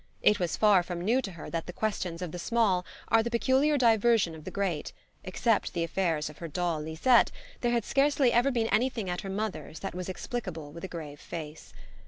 It was far from new to her that the questions of the small are the peculiar diversion of the great: except the affairs of her doll Lisette there had scarcely ever been anything at her mother's that was explicable with a grave face.